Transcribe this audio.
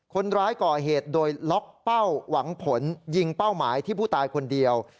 คนร้ายก่อเหตุโดยล็อกเป้าหวังผลยิงเป้าหมายที่ผู้ตายคนเดียว